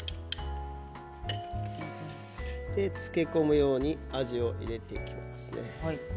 漬け込むようにあじを入れていきますね。